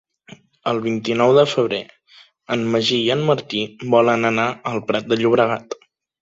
El vint-i-nou de febrer en Magí i en Martí volen anar al Prat de Llobregat.